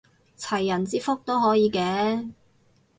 齊人之福都可以嘅